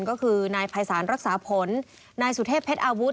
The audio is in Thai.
ก็คือนายภัยศาลรักษาผลนายสุเทพเพชรอาวุธ